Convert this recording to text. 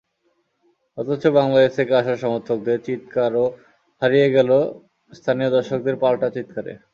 অথচ বাংলাদেশ থেকে আসা সমর্থকদের চিৎকারও হারিয়ে গেল স্থানীয় দর্শকদের পাল্টা চিৎকারে।